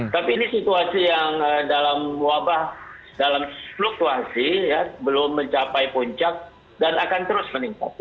tapi ini situasi yang dalam wabah dalam fluktuasi belum mencapai puncak dan akan terus meningkat